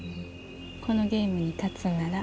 このゲームに勝つなら。